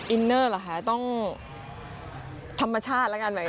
อินเนอร์เหรอคะต้องธรรมชาติแล้วกันไหม